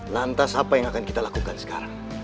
lantas apa yang akan kita lakukan sekarang